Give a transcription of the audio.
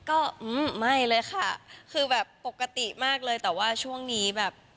ก็ไม่เลยค่ะคือแบบปกติมากเลยแต่ว่าช่วงนี้แบบ